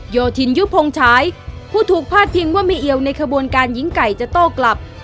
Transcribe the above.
โยธินยุพงฉายผู้ถูกพาดพิงว่าไม่เอียวในขบวนการหญิงไก่จะโต้กลับ